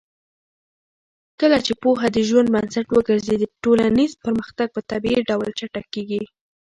کله چې پوهه د ژوند بنسټ وګرځي، ټولنیز پرمختګ په طبیعي ډول چټکېږي.